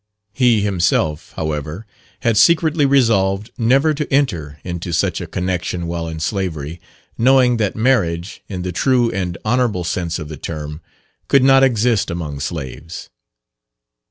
He himself, however, had secretly resolved never to enter into such a connexion while in slavery, knowing that marriage, in the true and honourable sense of the term, could not exist among slaves.